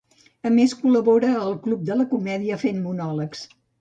A més, col·labora a El club de la comèdia fent monòlegs.